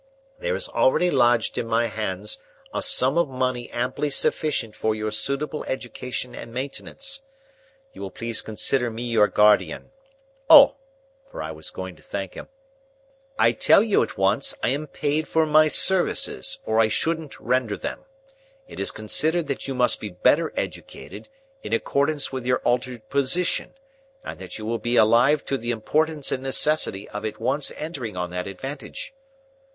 There is already lodged in my hands a sum of money amply sufficient for your suitable education and maintenance. You will please consider me your guardian. Oh!" for I was going to thank him, "I tell you at once, I am paid for my services, or I shouldn't render them. It is considered that you must be better educated, in accordance with your altered position, and that you will be alive to the importance and necessity of at once entering on that advantage."